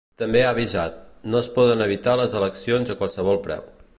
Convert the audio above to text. També ha avisat: No es poden evitar les eleccions a qualsevol preu.